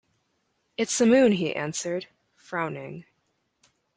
“It’s the moon,” he answered, frowning.